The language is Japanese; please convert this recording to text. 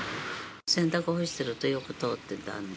洗濯干してると、よく通ってたんで、